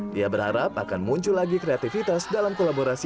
dia berharap akan muncul lagi kreativitas dalam kolaborasi